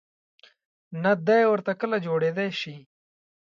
نه دای ورته کله جوړېدای شي.